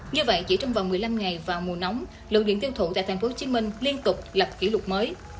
như vậy chỉ trong vòng một mươi năm ngày vào mùa nóng lượng điện tiêu thụ tại tp hcm liên tục lập kỷ lục mới